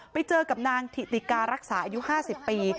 ไปเจอกับนางถิติการรักษาอายุ๕๐ปี